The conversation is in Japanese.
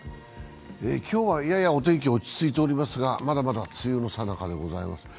今日はややお天気落ち着いておりますが、まだまだ梅雨の最中でございます。